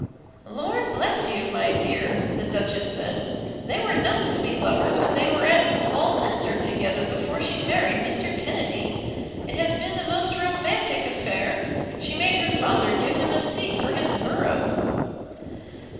"Lord bless you, my dear," the Duchess said, "they were known to be lovers when they were at Loughlinter together before she married Mr. Kennedy. It has been the most romantic affair! She made her father give him a seat for his borough."